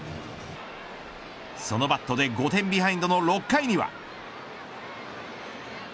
そのバットで５点ビハインドの６回には。